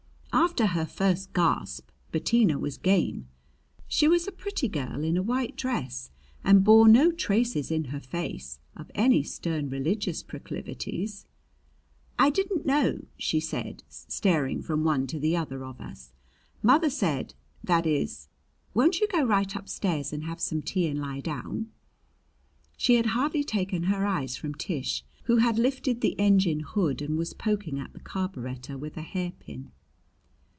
After her first gasp Bettina was game. She was a pretty girl in a white dress and bore no traces in her face of any stern religious proclivities. "I didn't know " she said, staring from one to the other of us. "Mother said that is won't you go right upstairs and have some tea and lie down?" She had hardly taken her eyes from Tish, who had lifted the engine hood and was poking at the carbureter with a hairpin.